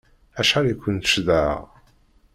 Acḥal i kent-cedhaɣ!